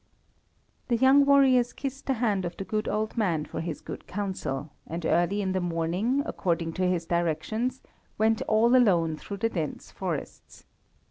The young warriors kissed the hand of the good old man for his good counsel, and early in the morning, according to his directions, went all alone through the dense forests.